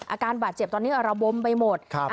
อาการบาดเจ็บตอนนี้ระบมไปหมด